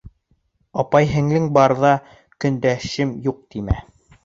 Апай-һеңлең барҙа, «көндәшем юҡ» тимә.